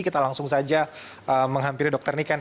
kita langsung saja menghampiri dr niken